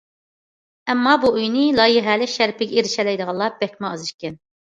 ئەمما بۇ ئۆينى لايىھەلەش شەرىپىگە ئېرىشەلەيدىغانلار بەكمۇ ئاز ئىكەن.